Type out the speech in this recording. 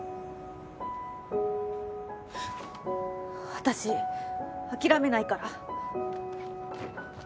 私諦めないから。